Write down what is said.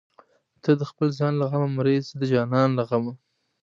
ته د خپل ځان له غمه مرې زه د جانان له غمه